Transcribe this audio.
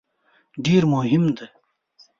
ډېر مهم دی.